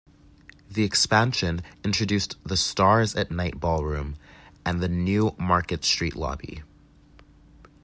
The expansion introduced the "Stars at Night" ballroom and the new Market Street lobby.